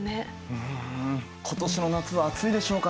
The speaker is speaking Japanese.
うん今年の夏は暑いでしょうかね？